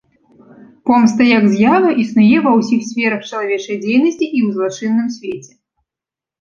Помста як з'ява існуе ва ўсіх сферах чалавечай дзейнасці і ў злачынным свеце.